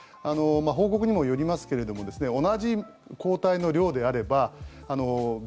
報告にもよりますが同じ抗体の量であればＢＡ．